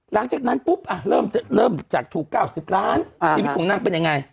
หลังจากนั้นปุ๊บเริ่มจากถูก๙๐ล้านชีวิตของนางเป็นยังไง